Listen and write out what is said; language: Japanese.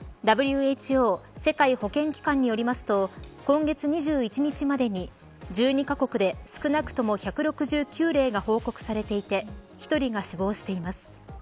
ＷＨＯ世界保健機関によりますと今月２１日までに１２カ国で少なくとも１６９例が報告されていて１人が死亡しています。